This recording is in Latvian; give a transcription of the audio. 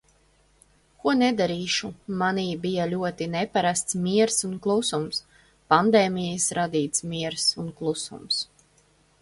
Ko nedarīšu, manī bija ļoti neparasts miers un klusums, pandēmijas radīts miers un klusums.